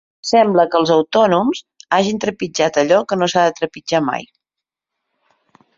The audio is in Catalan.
Sembla que els autònoms hagin trepitjat allò que no s’ha de trepitjar mai.